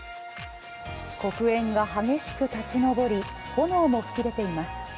黒煙が激しく立ち上り、炎も噴き出ています。